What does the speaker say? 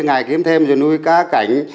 ngày kiếm thêm rồi nuôi cá cảnh